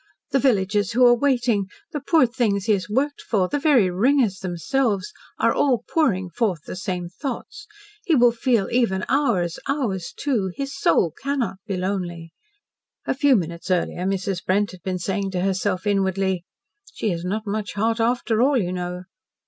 The villagers who are waiting the poor things he has worked for the very ringers themselves, are all pouring forth the same thoughts. He will feel even ours ours too! His soul cannot be lonely." A few minutes earlier, Mrs. Brent had been saying to herself inwardly: "She has not much heart after all, you know."